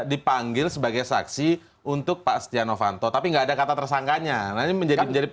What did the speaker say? dipanggil sebagai saksi untuk pak stiano fanto tapi nggak ada kata tersangkanya menjadi menjadi